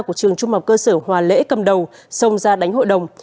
của trường trung học cơ sở hòa lễ cầm đầu xông ra đánh hội đồng